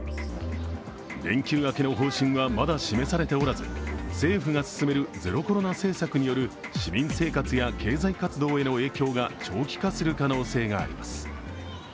連休明けの方針はまだ示されておらず、政府が進めるゼロコロナ政策による市民生活や経済活動への影響が長期化する可能性があります。